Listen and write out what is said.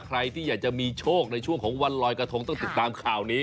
ใครที่อยากจะมีโชคในช่วงของวันลอยกระทงต้องติดตามข่าวนี้